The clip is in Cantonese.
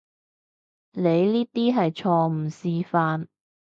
你呢啲係錯誤示範